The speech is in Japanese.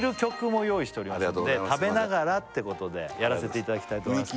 ありがとうございます食べながらってことでやらせていただきたいと思います